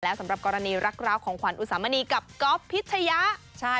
สำหรับกรณีรักร้าวของขวัญอุสามณีกับก๊อฟพิชยะ